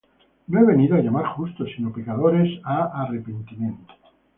No he venido á llamar justos, sino pecadores á arrepentimiento.